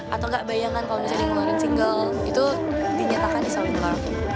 atau enggak bayangan kalau misalnya ngeluarin single itu dinyatakan di so in love